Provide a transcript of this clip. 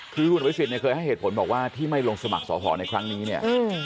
คุณอุณหภิสิทธิ์เคยให้เหตุผลบอกว่าที่ไม่ลงสมัครสอบห่อในครั้งนี้